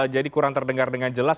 jadi kurang terdengar dengan jelas